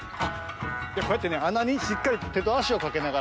こうやってねあなにしっかりとてとあしをかけながらね